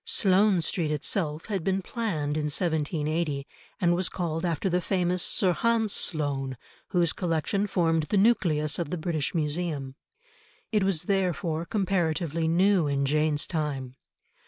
Sloane Street itself had been planned in 1780, and was called after the famous Sir Hans Sloane, whose collection formed the nucleus of the British Museum. It was therefore comparatively new in Jane's time.